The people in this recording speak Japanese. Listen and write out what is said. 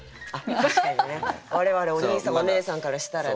確かにね我々お兄さんお姉さんからしたらね。